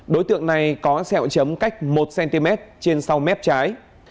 đối tượng này có sẹo chấm cách một cm trên sau mép trái